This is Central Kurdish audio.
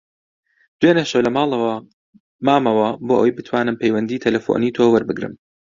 دوێنێ شەو لە ماڵەوە مامەوە بۆ ئەوەی بتوانم پەیوەندیی تەلەفۆنیی تۆ وەربگرم.